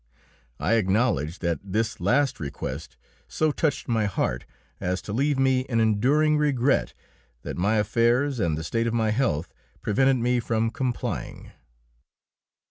I acknowledge that this last request so touched my heart as to leave me an enduring regret that my affairs and the state of my health prevented me from complying.